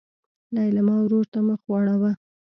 لېلما ورور ته مخ واړوه.